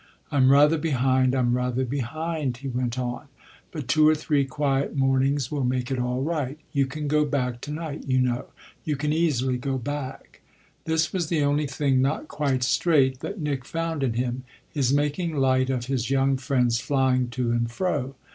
"I'm rather behind I'm rather behind," he went on; "but two or three quiet mornings will make it all right. You can go back to night, you know you can easily go back." This was the only thing not quite straight that Nick found in him his making light of his young friend's flying to and fro.